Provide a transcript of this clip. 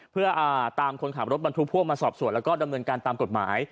เพื่อตามคนขับรถบรรทุกพ่วงมาสอบสวนแล้วก็ดำเนินการตามกฎหมาย